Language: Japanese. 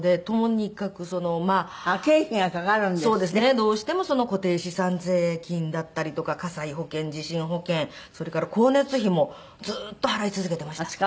どうしても固定資産税金だったりとか火災保険地震保険それから光熱費もずっと払い続けていました。